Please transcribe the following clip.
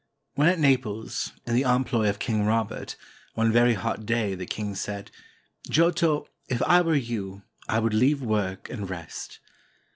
When at Naples, in the employ of King Robert, one very hot day the king said: "Giotto, if I were you, I would leave work and rest."